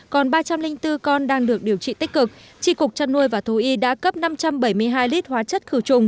còn ba trăm linh bốn con đang được điều trị tích cực tri cục trăn nuôi và thú y đã cấp năm trăm bảy mươi hai lít hóa chất khử trùng